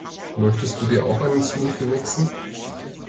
Möchtest du dir auch einen Smoothie mixen?